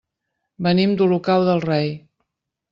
Venim d'Olocau del Rei.